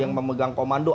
yang memegang komando